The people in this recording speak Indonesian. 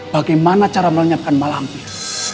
bagaimana cara melenyapkan malampir